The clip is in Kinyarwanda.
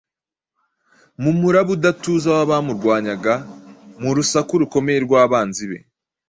Mu muraba udatuza w’abamurwanyaga, mu rusaku rukomeye rw’abanzi be